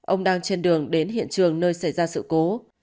ông đang trên đường đến hiện trường nơi xảy ra sự cố